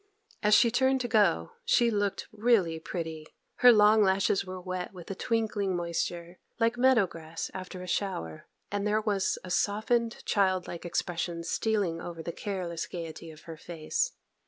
As she turned to go she looked really pretty. Her long lashes were wet with a twinkling moisture, like meadow grass after a shower; and there was a softened, child like expression stealing over the careless gaiety of her face.